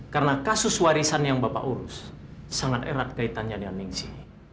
karena kasus warisan yang bapak urus sangat erat kaitannya dengan ningsi